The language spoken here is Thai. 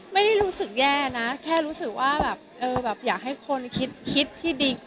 ไม่ได้รู้สึกแย่นะแค่รู้สึกว่าแบบเออแบบอยากให้คนคิดที่ดี